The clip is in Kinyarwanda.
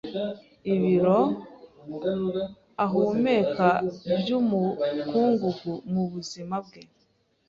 Ibiro ahumeka by’umukungugu mu buzima bwe